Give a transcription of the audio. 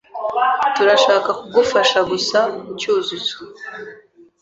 Turashaka kugufasha gusa, Cyuzuzo.